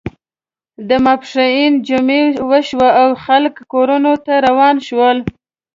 د ماسپښین جمعه وشوه او خلک کورونو ته روان شول.